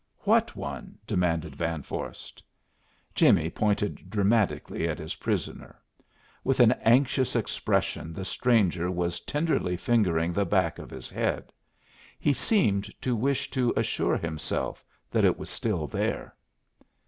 "What one?" demanded Van Vorst. Jimmie pointed dramatically at his prisoner. With an anxious expression the stranger was tenderly fingering the back of his head. He seemed to wish to assure himself that it was still there.